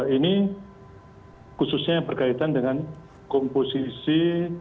ini khususnya yang berkaitan dengan komposisi